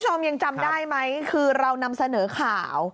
ยังจำได้ไหมคือเรานำเสนอข่าว